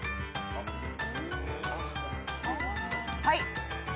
はい。